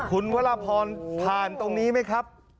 คุณวรพรผ่านตรงนี้ไหมครับ